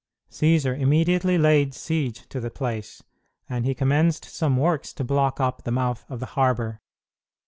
Cćsar immediately laid siege to the place, and he commenced some works to block up the mouth of the harbor.